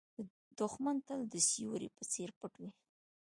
دښمن تل د سیوري په څېر پټ وي